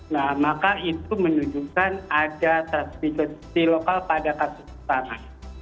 nah maka itu menunjukkan ada transmisi lokal pada kasus pertama